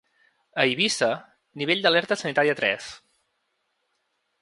A Eivissa, nivell d’alerta sanitària tres.